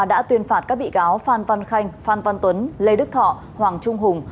đã tuyên phạt các bị cáo phan văn khanh phan văn tuấn lê đức thọ hoàng trung hùng